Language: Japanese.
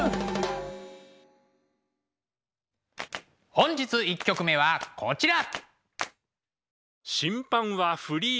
本日１曲目はこちら。